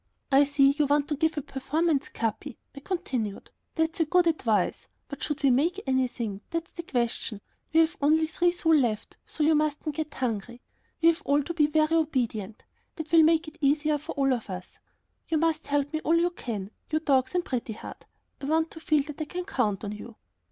"I see you want to give a performance, Capi," I continued; "that's good advice, but should we make anything? That's the question. We have only three sous left, so you mustn't get hungry. You've all to be very obedient; that will make it easier for us all. You must help me all you can, you dogs and Pretty Heart. I want to feel that I can count on you."